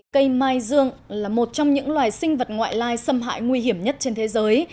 cây mai dương là một trong những loài sinh vật ngoại lai xâm hại nguy hiểm nhất trên thế giới